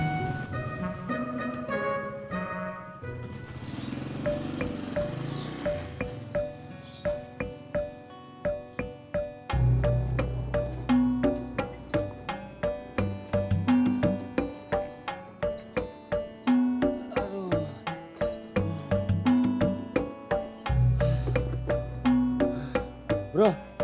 gak ada yang ngerti